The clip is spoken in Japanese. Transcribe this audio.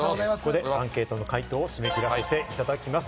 アンケートの回答を締め切らせていただきます。